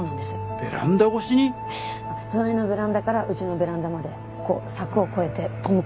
隣のベランダからうちのベランダまでこう柵を越えてトム・クルーズばりに。